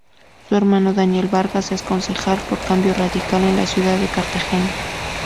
Su hermano Daniel Vargas es concejal por Cambio Radical en la ciudad de Cartagena.